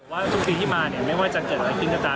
ว่าทุกทีที่มาไม่ว่าจะเกิดอะไรพิมพ์กระตา